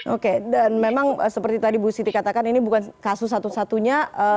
oke dan memang seperti tadi bu siti katakan ini bukan kasus satu satunya